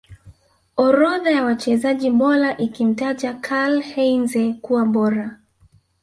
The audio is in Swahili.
orodha ya wachezaji bora ikamtaja KarlHeinze kuwa bora